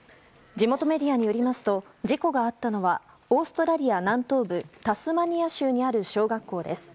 地元メディアによりますと事故があったのはオーストラリア南東部タスマニア州にある小学校です。